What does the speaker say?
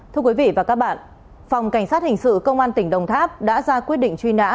thưa quý vị và các bạn phòng cảnh sát hình sự công an tỉnh đồng tháp đã ra quyết định truy nã